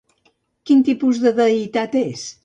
Quin tipus de deïtat és?